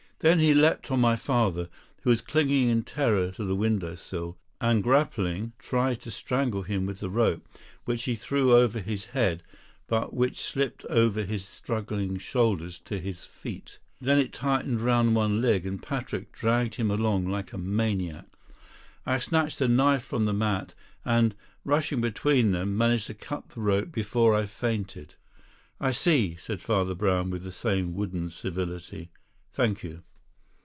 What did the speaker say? Then he leapt on my father, who was clinging in terror to the window sill, and, grappling, tried to strangle him with the rope, which he threw over his head, but which slipped over his struggling shoulders to his feet. Then it tightened round one leg and Patrick dragged him along like a maniac. I snatched a knife from the mat, and, rushing between them, managed to cut the rope before I fainted." "I see," said Father Brown, with the same wooden civility. "Thank you."